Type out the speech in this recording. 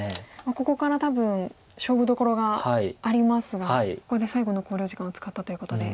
ここから多分勝負どころがありますがここで最後の考慮時間を使ったということで。